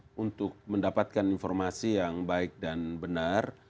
saya sempat untuk mendapatkan informasi yang baik dan benar